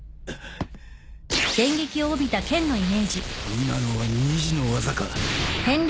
今のはニジの技か。